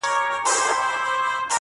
حالاتو داسې جوارې راسره وکړله چي~